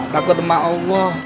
takut emak allah